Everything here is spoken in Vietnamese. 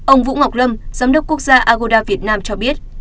ông vũ ngọc lâm giám đốc quốc gia agoda việt nam cho biết